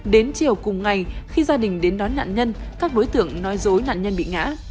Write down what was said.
đến chiều cùng ngày khi gia đình đến đón nạn nhân các đối tượng nói dối nạn nhân bị ngã